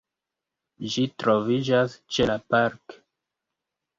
Ĝi troviĝas ĉe la “Park”.